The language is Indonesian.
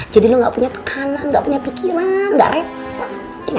jadi lu gak punya tekanan gak punya pikiran gak repot